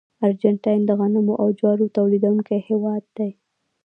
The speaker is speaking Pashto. ارجنټاین د غنمو او جوارو تولیدونکي هېوادونه دي.